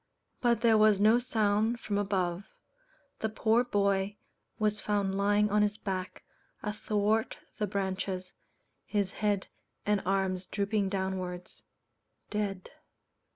But there was no sound from above. The poor boy was found lying on his back athwart the branches, his head and arms drooping downwards dead.